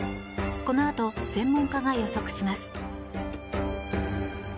このあと専門家が予測します。